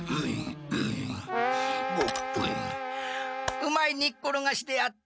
うまいにっころがしであった。